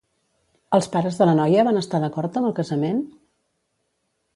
Els pares de la noia van estar d'acord amb el casament?